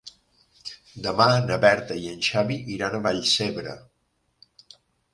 Demà na Berta i en Xavi iran a Vallcebre.